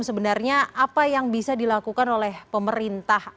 sebenarnya apa yang bisa dilakukan oleh pemerintah